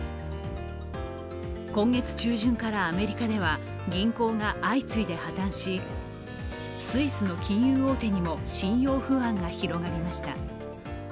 今月中旬からアメリカでは銀行が相次いで破綻し、スイスの金融大手にも信用不安が広がりました。